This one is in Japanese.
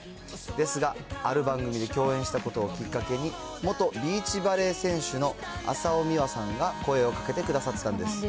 ですが、ある番組で共演したことをきっかけに、元ビーチバレー選手の浅尾美和さんが声をかけてくださったんです。